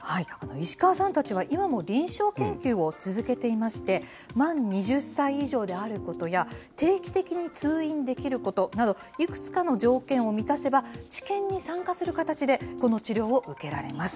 石川さんたちは、今も臨床研究を続けていまして、満２０歳以上であることや、定期的に通院できることなど、いくつかの条件を満たせば、治験に参加する形で、この治療を受けられます。